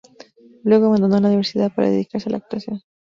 Luego abandonó la universidad para dedicarse a la actuación.